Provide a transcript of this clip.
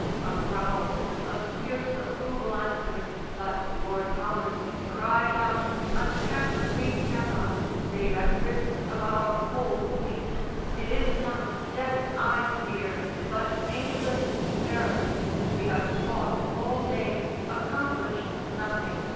A growl Of fierce approval answered; but Lord Howard Cried out, "Attack we cannot, save at risk Of our whole fleet. It is not death I fear, But England's peril. We have fought all day, Accomplished nothing.